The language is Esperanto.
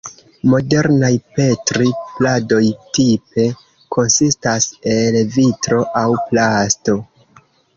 Modernaj Petri-pladoj tipe konsistas el vitro aŭ plasto.